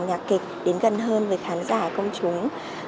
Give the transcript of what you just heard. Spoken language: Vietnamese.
nhạc kịch đến gần hơn với khán giả công chúng